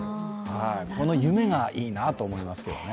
この夢がいいなと思いますね。